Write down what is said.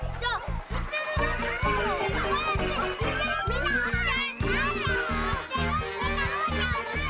みんなおして！